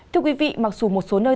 thưa quý vị mặc dù một số nơi